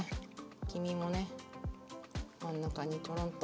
黄身もね真ん中にトロンと。